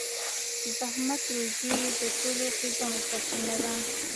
د زحمت روزي د ټولو ښېګڼو سرچينه ده.